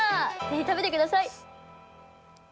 ぜひ食べてください。